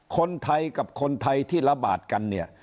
คนไทยกับคนไทยที่ระบาดกันเนี่ย